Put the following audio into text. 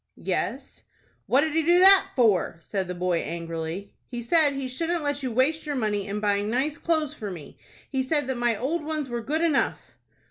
"Yes." "What did he do that for?" said the boy, angrily. "He said he shouldn't let you waste your money in buying nice clothes for me. He said that my old ones were good enough."